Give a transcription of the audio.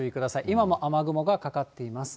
今も雨雲がかかっています。